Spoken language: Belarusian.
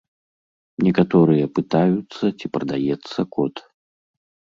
Некаторыя пытаюцца, ці прадаецца кот.